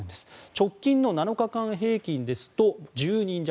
直近の７日間平均ですと１０人弱。